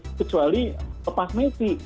kecuali lepas messi